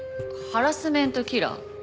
ハラスメントキラー？